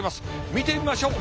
見てみましょう。